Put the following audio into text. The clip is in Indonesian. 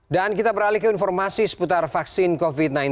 dan kita beralih ke informasi seputar vaksin covid sembilan belas